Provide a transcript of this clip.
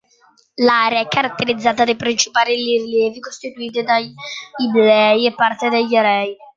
L'area è caratterizzata dai principali rilievi costituiti dagli Iblei e parte degli Erei.